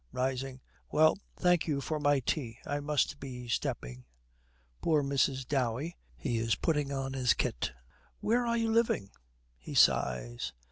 Rising, 'Well, thank you for my tea. I must be stepping.' Poor Mrs. Dowey, he is putting on his kit. 'Where are you living?' He sighs.